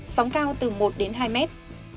sóng cao từ một đến hai mét